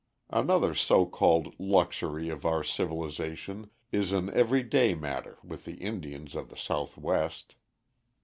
Another so called luxury of our civilization is an every day matter with the Indians of the Southwest.